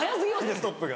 ストップが。